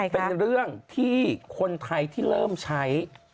เป็นเรื่องที่คนไทยที่เริ่มใช้